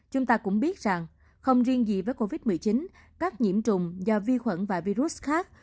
chúng ta cũng biết rằng không riêng gì với covid một mươi chín các nhiễm trùng do vi khuẩn và virus khác